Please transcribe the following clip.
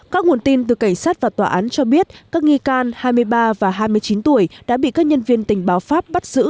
các nguồn tin từ cảnh sát và tòa án cho biết các nghi can hai mươi ba và hai mươi chín tuổi đã bị các nhân viên tình báo pháp bắt giữ